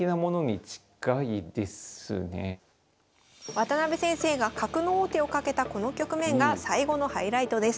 渡辺先生が角の王手をかけたこの局面が最後のハイライトです。